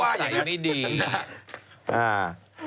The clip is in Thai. ปลาหมึกแท้เต่าทองอร่อยทั้งชนิดเส้นบดเต็มตัว